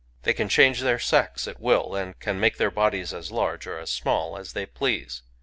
They can change their sex at will, and can make their bodies as large or as small as they please.